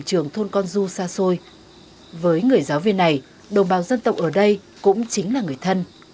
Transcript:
trường phổ thông dân tộc bán chú tiểu học mang cảnh